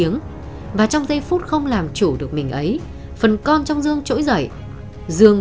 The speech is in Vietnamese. nhưng đáp trả lại sự thấm thiết vang xin của dương